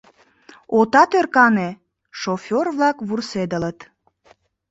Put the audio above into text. — Отат ӧркане? — шофер-влак вурседылыт.